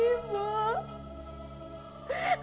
aku gak mau diada di sini bu